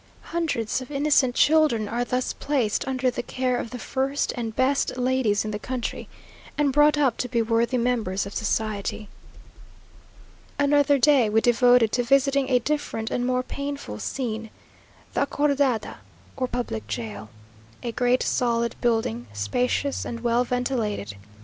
Hundreds of innocent children are thus placed under the care of the first and best ladies in the country, and brought up to be worthy members of society. Another day we devoted to visiting a different and more painful scene the Acordada, or public jail; a great solid building, spacious, and well ventilated.